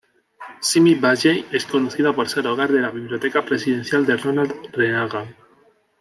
Simi Valley es conocida por ser hogar de la Biblioteca Presidencial de Ronald Reagan.